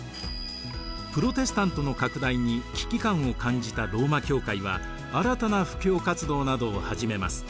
プロテスタントの拡大に危機感を感じたローマ教会は新たな布教活動などを始めます。